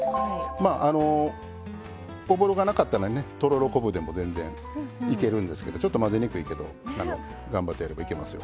おぼろがなかったらとろろ昆布でも全然いけるんですけどちょっと混ぜにくいけど頑張ってやればいけますよ。